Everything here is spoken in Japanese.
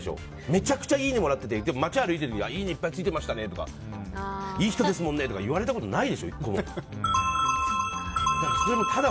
めちゃくちゃいいねもらっても街歩いた時、いいねいっぱいついてましたとかいい人ですもんねとか言われたことないでしょ？